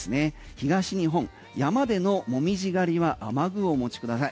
東日本、山での紅葉狩りは雨具をお持ちください。